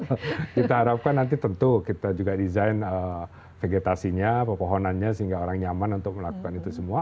kita harapkan nanti tentu kita juga desain vegetasinya pepohonannya sehingga orang nyaman untuk melakukan itu semua